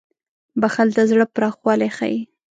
• بښل د زړه پراخوالی ښيي.